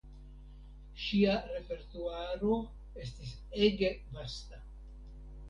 Ŝia repertuaro estis ege vasta.